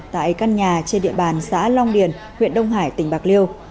tại căn nhà trên địa bàn xã long điền huyện đông hải tỉnh bạc liêu